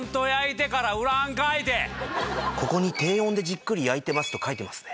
ここに「低温でじっくり焼いてます」と書いてますね。